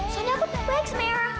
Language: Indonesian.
soalnya aku baik sama erah